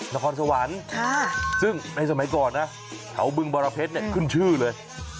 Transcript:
นครสวรรค์ซึ่งในสมัยก่อนนะแถวบึงบรเพชรเนี่ยขึ้นชื่อเลย